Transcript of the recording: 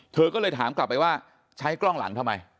เธอก็เลยถามกลับไปว่าใช้กล้องหลังทำไม